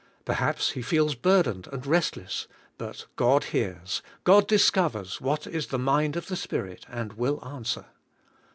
Perhaps he feels burdened and restless, but God hears, God discovers what is the mind of the Spirit, and will answer.